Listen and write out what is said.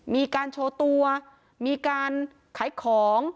มีการโชว์ตัวมีการขายของ